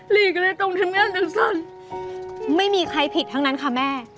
รีก็ได้ตรงทำงานจากสันไม่มีใครผิดทั้งนั้นค่ะแม่